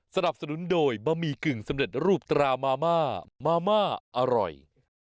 สนับสนุนโดยบะหมี่กึ่งสำเร็จรูปตรามาม่ามาม่าอร่อย